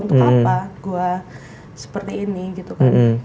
untuk apa gua seperti ini gitu kan